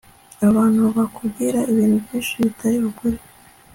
Abantu bakubwira ibintu byinshi bitari ukuri